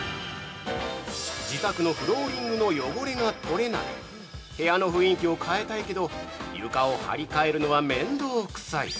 自宅のフローリングの汚れが取れない部屋の雰囲気を変えたいけど床を張り替えるのは面倒くさい